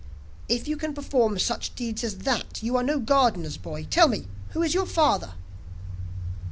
'If you can perform such deeds as that, you are no gardener's boy; tell me, who is your father?